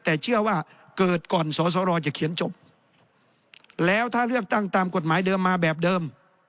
แต่เชื่อว่าเกิดก่อนสสรจะเขียนจบแล้วถ้าเลือกตั้งตามกฎหมายเดิมมาแบบเดิม